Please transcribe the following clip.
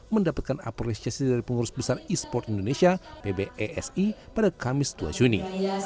mendapatkan apresiasi dari pengurus besar e sport indonesia pbesi pada kamis dua juni